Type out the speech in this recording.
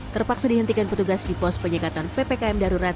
terpaksa dihentikan petugas di pos penyekatan ppkm darurat